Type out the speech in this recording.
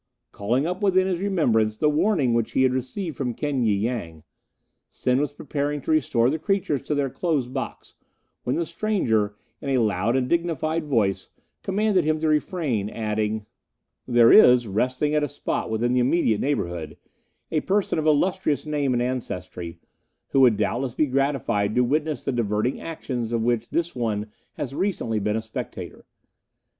Calling up within his remembrance the warning which he had received from King y Yang, Sen was preparing to restore the creatures to their closed box, when the stranger, in a loud and dignified voice, commanded him to refrain, adding: "'There is, resting at a spot within the immediate neighbourhood, a person of illustrious name and ancestry, who would doubtless be gratified to witness the diverting actions of which this one has recently been a spectator.